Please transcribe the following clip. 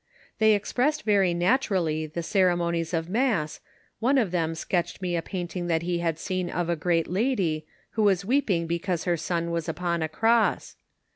They expressed very naturally the ceremonies of mass, one of them sketched me a painting that he had seen of a great lady, who was weeping because her son was upon a cross.